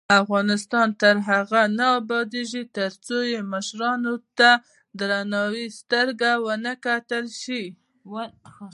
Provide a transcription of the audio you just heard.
افغانستان تر هغو نه ابادیږي، ترڅو مشرې ته د درناوي سترګه ونه کتل شي.